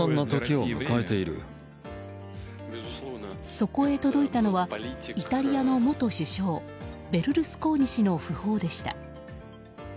そこへ届いたのはイタリアの元首相ベルルスコーニ氏の訃報でした。